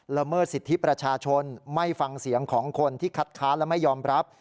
เมิดสิทธิประชาชนไม่ฟังเสียงของคนที่คัดค้านและไม่ยอมรับ